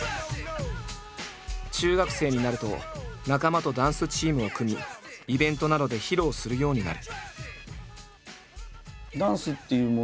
中学生になると仲間とダンスチームを組みイベントなどで披露するようになる。